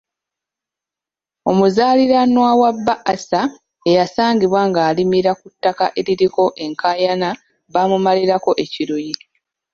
Omuzaaliranwa wa ba Acer eyasangibwa ng'alimira ku ttaka eririko enkaayana baamumalirako ekiruyi.